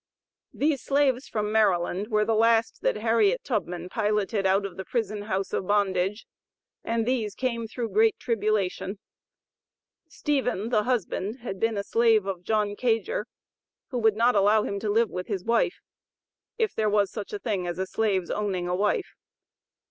These slaves from Maryland, were the last that Harriet Tubman piloted out of the prison house of bondage, and these "came through great tribulation." Stephen, the husband, had been a slave of John Kaiger, who would not allow him to live with his wife (if there was such a thing as a slave's owning a wife.)